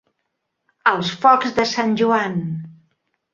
Els focs de Sant Joan.